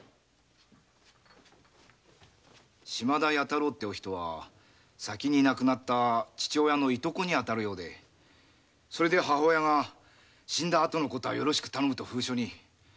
島田弥太郎って人は亡くなった父親の従兄のようでそれで母親が「死んだ後の事はよろしく頼む」と封書に。